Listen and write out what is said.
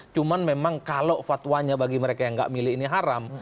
cuman memang kalau fatwanya bagi mereka yang nggak milih ini haram